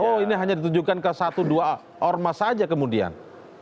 oh ini hanya ditunjukkan ke satu dua ormas saja kemudian